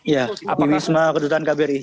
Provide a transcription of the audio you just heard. ya di wisma kedutaan kbri